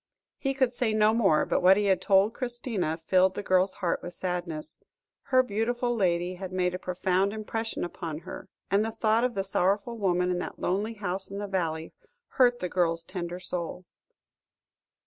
He could say no more, but what he had told Christina, filled the girl's heart with sadness; her beautiful lady had made a profound impression upon her, and the thought of the sorrowful woman in that lonely house in the valley, hurt the girl's tender soul.